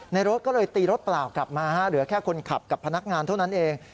รถก็เลยตีรถเปล่ากลับมาเหลือแค่คนขับกับพนักงานเท่านั้นเอง